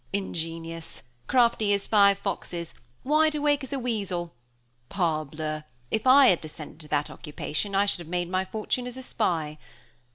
Ingenious! Crafty as five foxes! wide awake as a weasel! Parbleu! if I had descended to that occupation I should have made my fortune as a spy.